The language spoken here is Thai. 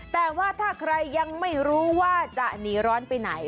แต่ว่าถ้าใครยังไม่รู้ว่าจะหนีร้อนไปไหน